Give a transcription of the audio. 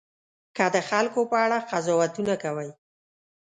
که د خلکو په اړه قضاوتونه کوئ.